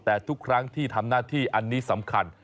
แต่ทุกครั้งที่ทำหน้าที่อันนี้สำคัญ